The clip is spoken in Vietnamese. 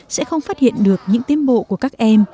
sẽ không phát hiện được những tiến bộ của các em